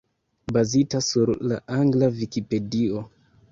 Bazita sur la angla Vikipedio.